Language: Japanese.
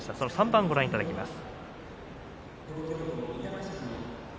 ３番、ご覧いただきます。